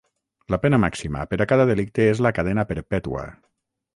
La pena màxima per a cada delicte és la cadena perpètua.